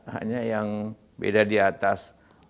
hanya yang beda di atas